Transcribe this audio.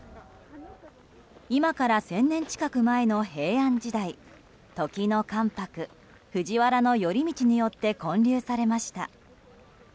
今から１０００年近く前の平安時代時の関白・藤原頼通によって建立されました。